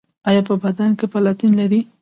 ایا په بدن کې پلاتین لرئ؟